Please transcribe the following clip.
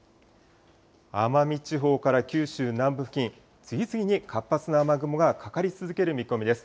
奄美地方から九州南部付近、次々に活発な雨雲がかかり続ける見込みです。